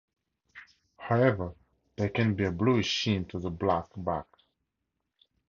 However, there can be a bluish sheen to the black back.